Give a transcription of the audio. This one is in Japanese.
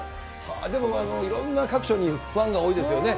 でもいろんな各所に、ファンが多いですよね。